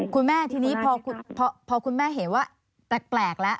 คุณแม่ทีนี้พอคุณแม่เห็นว่าแปลกแล้ว